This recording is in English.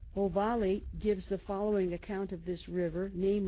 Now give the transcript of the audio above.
Ovalle gives the following Account of this River, _viz.